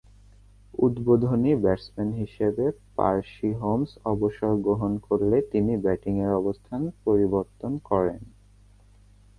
উদ্বোধনী ব্যাটসম্যান হিসেবে Percy Holmes অবসর গ্রহণ করলে তিনি ব্যাটিংয়ের অবস্থান পরিবর্তন করেন।